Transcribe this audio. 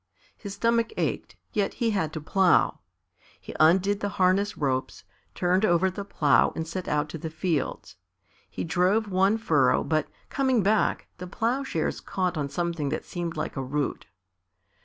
His stomach ached, yet he had to plough. He undid the harness ropes, turned over the plough and set out to the fields. He drove one furrow, but coming back, the ploughshares caught on something that seemed like a root.